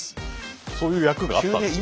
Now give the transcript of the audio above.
そういう役があったんですね。